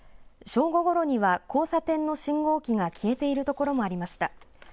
正午ごろには交差点の信号機が消えている所もありました。